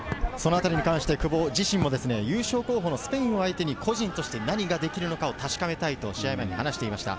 久保自身もスペインを相手に個人として何ができるのかを確かめたいと試合前に話していました。